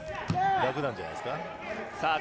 楽なんじゃないですか。